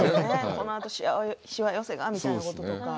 このあとしわ寄せがみたいなこととか。